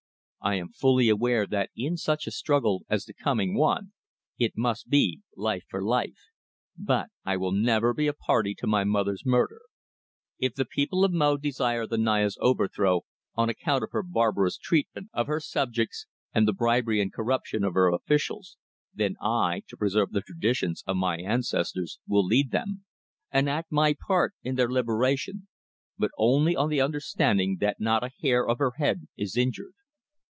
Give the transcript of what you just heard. "I am fully aware that in such a struggle as the coming one it must be life for life, but I will never be a party to my mother's murder. If the people of Mo desire the Naya's overthrow on account of her barbarous treatment of her subjects and the bribery and corruption of her officials, then I, to preserve the traditions of my ancestors, will lead them, and act my part in their liberation, but only on the understanding that not a hair of her head is injured."